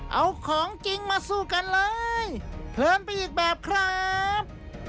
เอาของจริงมาสู้กันเลยเพลินไปอีกแบบครับ